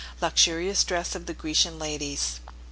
LUXURIOUS DRESS OF THE GRECIAN LADIES.